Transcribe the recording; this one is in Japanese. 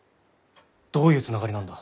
どういうつながりなんだ？